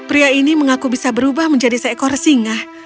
pria ini mengaku bisa berubah menjadi seekor singa